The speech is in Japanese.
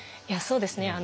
いやそうですね。